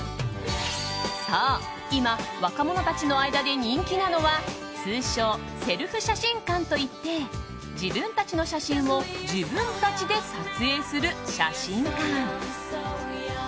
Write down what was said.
そう今、若者たちの間で人気なのは通称セルフ写真館といって自分たちの写真を自分たちで撮影する写真館。